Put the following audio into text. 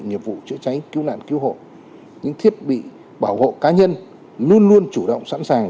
nghiệp vụ chữa cháy cứu nạn cứu hộ những thiết bị bảo hộ cá nhân luôn luôn chủ động sẵn sàng